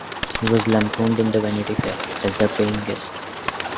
He was lampooned in "Vanity Fair" as "the paying Guest".